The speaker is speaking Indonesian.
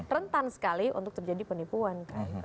rentan sekali untuk terjadi penipuan